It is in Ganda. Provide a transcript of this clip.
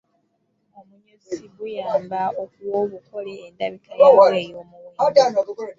Omunyusi guyamba okuwa obukole endabika yaabwo ey’omuwendo.